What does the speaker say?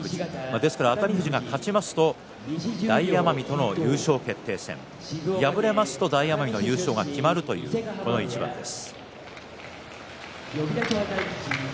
ですから熱海富士が勝ちますと大奄美との優勝決定戦敗れますと大奄美の優勝が決まるという一番です。